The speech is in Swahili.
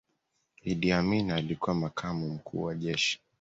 iddi amin alikuwa makamu mkuu wa jeshi